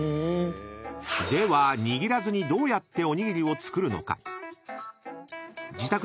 ［では握らずにどうやっておにぎりを作るのか］